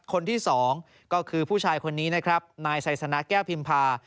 คนที่สองก็คือผู้ชายคนนี้นะครับนายไซสนะแก้วพิมพา